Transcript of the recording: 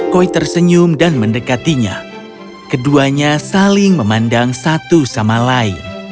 koi tersenyum dan mendekatinya keduanya saling memandang satu sama lain